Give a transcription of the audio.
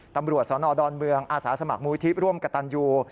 ตำรวจสนดอนเมืองอาสาสมัครมูลที่ร่วมกับตันยู